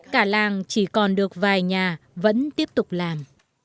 cả làng chỉ còn được vài nhà vẫn tiếp tục làm